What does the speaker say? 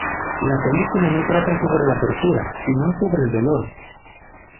La película no trata sobre la tortura, sino sobre el dolor.